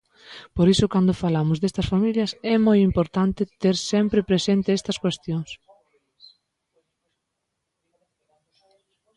Por iso cando falamos destas familias é moi importante ter sempre presente estas cuestións.